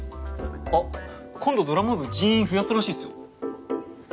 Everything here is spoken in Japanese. あっ今度ドラマ部人員増やすらしいですよ。